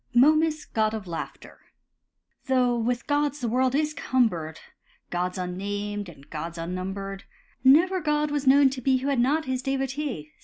MOMUS, GOD OF LAUGHTER Though with gods the world is cumbered, Gods unnamed, and gods unnumbered, Never god was known to be Who had not his devotee.